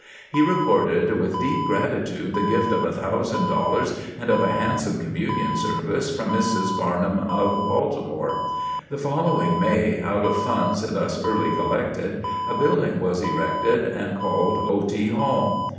He recorded with deep gratitude the gift of $1000 and of a handsome communion service from Mrs. Barnum of Baltimore. The following May, out of funds thus early collected, a building was erected and called "Otey Hall."